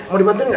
mau dibantuin gak